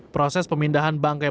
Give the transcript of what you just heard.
proses pemindahan bankenya